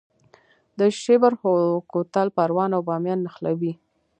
د شیبر کوتل پروان او بامیان نښلوي